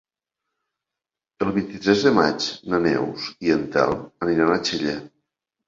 El vint-i-tres de maig na Neus i en Telm aniran a Xella.